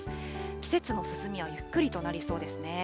季節の進みはゆっくりとなりそうですね。